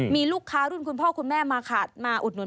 มีลูกค้ารุ่นคุณพ่อคุณแม่มาอุดหนุน